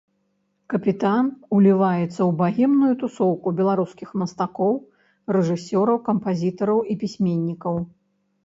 Капітан уліваецца ў багемную тусоўку беларускіх мастакоў, рэжысёраў, кампазітараў і пісьменнікаў.